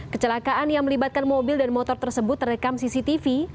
kecelakaan yang melibatkan mobil dan motor tersebut terekam cctv